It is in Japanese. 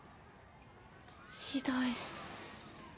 ひどい。